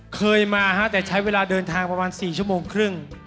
เคยมาฮะแต่ใช้เวลาเดินทางประมาณ๔ชั่วโมงครึ่ง